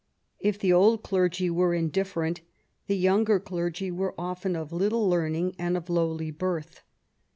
If the old clergy were indiiFerent, the younger clergy were often of little learning and of lowly birth.